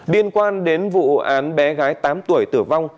liên quan đến vụ án bé gái tám tuổi tử vong